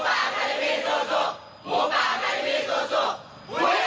หมู่ป่าอคาเดมี่สู้สู้